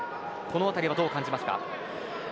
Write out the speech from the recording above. このあたりはどう感じますか。